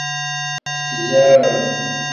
پسي ژاړم